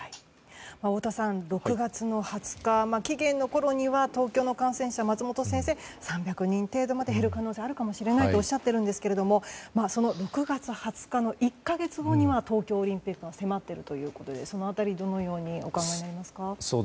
太田さん、６月の２０日期限のころには東京の感染者、松本先生は３００人程度まで減る可能性があるかもしれないとおっしゃっていますがその６月２０日の１か月後には東京オリンピックも迫っているということでその辺り、どのようにお考えになりますか。